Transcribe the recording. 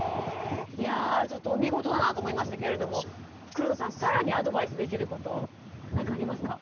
いやぁちょっと見事だなと思いましたけれども黒田さん更にアドバイスできること何かありますか？